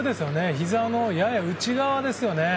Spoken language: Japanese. ひざのやや内側ですからね。